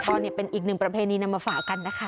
ก็เป็นอีกหนึ่งประเพณีนำมาฝากกันนะคะ